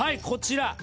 こちら。